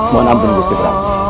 mohon ampun busur perang